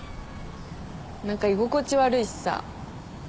何か居心地悪いしさ。